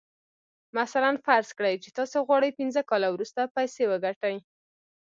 مثلاً فرض کړئ چې تاسې غواړئ پينځه کاله وروسته پيسې وګټئ.